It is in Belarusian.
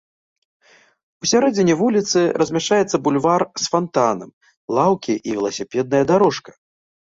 Усярэдзіне вуліцы размяшчаецца бульвар з фантанам, лаўкі і веласіпедная дарожка.